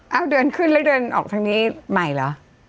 เอาเดินขึ้นแล้วเดินออกทางนี้ใหม่เหรอ